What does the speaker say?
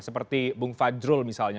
seperti bung fajrul misalnya